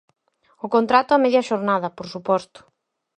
O contrato, a media xornada, por suposto.